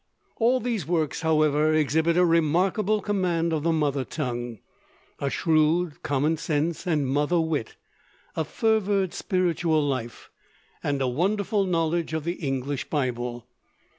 All these works, however, exhibit a remarkable command of the mother tongue, a shrewd common sense and mother wit, a fervid spiritual life, and a wonderful knowledge of the English Bible.